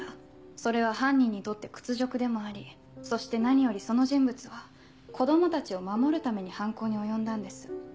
それは犯人にとって屈辱でもありそして何よりその人物は子供たちを守るために犯行に及んだんです。